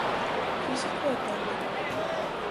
Físico e técnico.